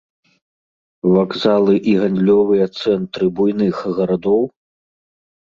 Вакзалы і гандлёвыя цэнтры буйных гарадоў?